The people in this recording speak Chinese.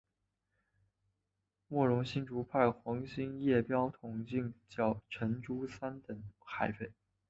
莫荣新遂派黄兴业标统进剿陈祝三等海匪。